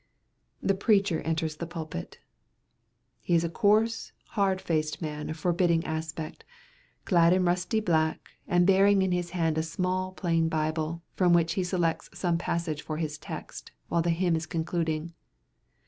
The preacher enters the pulpit. He is a coarse, hard faced man of forbidding aspect, clad in rusty black, and bearing in his hand a small plain Bible from which he selects some passage for his text, while the hymn is concluding.